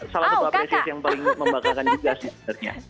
salah satu apresiasi yang paling membahagakan juga sih